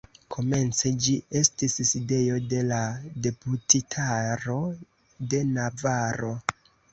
Komence ĝi estis sidejo de la Deputitaro de Navaro.